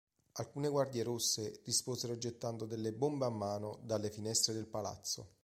Alcune Guardie rosse risposero gettando delle bombe a mano dalle finestre del palazzo.